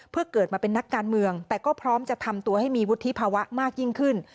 เพื่อเกิดมาเป็นนักการเมืองแต่ก็พร้อมจะทำตัวให้มีวุฒิภาวะมากยิ่งขึ้น